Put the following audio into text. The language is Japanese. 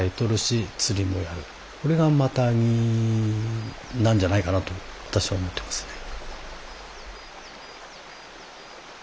これがマタギなんじゃないかなと私は思ってますね。